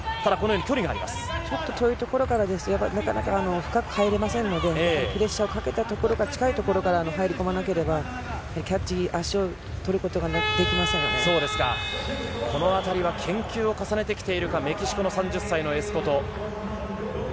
ちょっと遠いところからですと深く入れませんのでプレッシャーをかけたいところ、近いところから入り込まなければ、このあたりは研究を重ねてきているか、メキシコ３０歳のエスコト。